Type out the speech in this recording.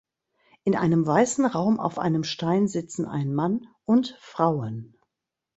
In einem weißen Raum auf einem Stein sitzen ein Mann und Frauen.